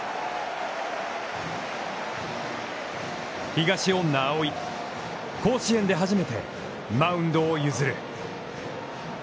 東恩納蒼、甲子園で初めてマウンドを譲る。